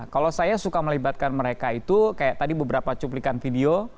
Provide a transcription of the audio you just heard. kalau saya suka melibatkan mereka itu kayak tadi beberapa cuplikan video